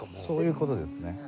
そういう事ですね。